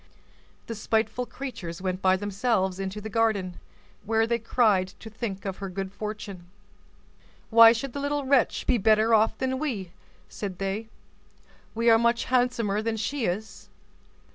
The spiteful creatures went by themselves into the garden, where they cried to think of her good fortune. "Why should the little wretch be better off than we?" said they. "We are much handsomer than she is."